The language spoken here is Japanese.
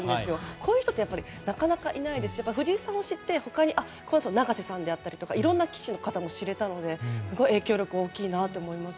こういう人ってなかなかいないですし藤井さんを知って、他に永瀬さんであったりとかいろんな棋士の方も知れたので影響力が大きいと思います。